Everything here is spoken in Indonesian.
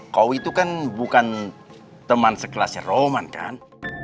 kowi itu kan bukan teman sekelasnya roman kan